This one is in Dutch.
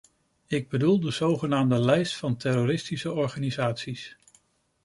Ik bedoel de zogenaamde lijst van terroristische organisaties.